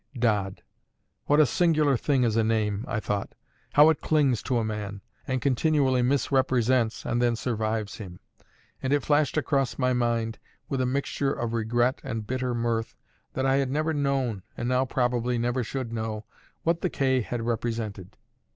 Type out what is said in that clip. DODD. What a singular thing is a name, I thought; how it clings to a man, and continually misrepresents, and then survives him; and it flashed across my mind, with a mixture of regret and bitter mirth, that I had never known, and now probably never should know, what the K had represented.